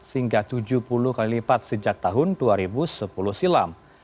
hingga tujuh puluh kali lipat sejak tahun dua ribu sepuluh silam